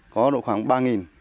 có độ khoảng ba